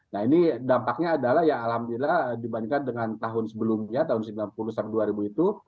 nah ini dampaknya adalah ya alhamdulillah dibandingkan dengan tahun sebelumnya tahun sembilan puluh sampai dua ribu itu